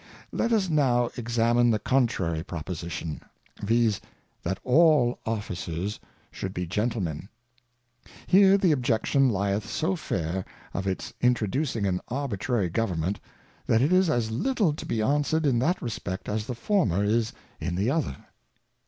Let us now examine the contrary Proposition, viz. that all Officers should be Gentlemen. Here the Objection lieth so fair, of its introducing an Arbi trary Government, that it is as little to be answered in that respect, as the former is in the other.